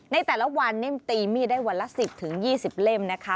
ในแต่ละวันนี่ตีมีดได้วันละสิบถึงยี่สิบเล่มนะคะ